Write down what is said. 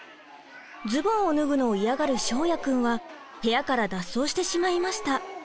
ズボンを脱ぐのを嫌がる翔也くんは部屋から脱走してしまいました。